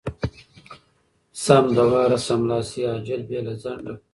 سم د واره= سملاسې، عاجل، بې له ځنډه.